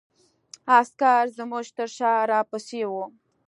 عسکر زموږ تر شا را پسې وو.